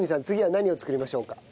次は何を作りましょうか？